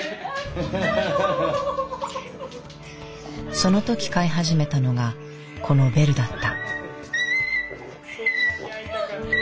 その時飼い始めたのがこのベルだった。